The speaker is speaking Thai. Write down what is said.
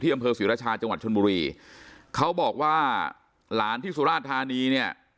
อำเภอศรีราชาจังหวัดชนบุรีเขาบอกว่าหลานที่สุราชธานีเนี่ย